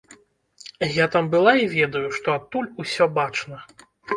Я там была і ведаю, што адтуль усё бачна.